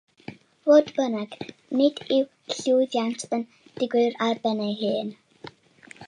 Fodd bynnag, nid yw llwyddiant yn digwydd ar ei ben ei hun.